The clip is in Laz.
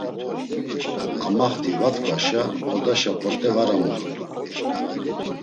Amaxt̆i va t̆ǩvaşa odaşa pot̆e var amulurt̆u.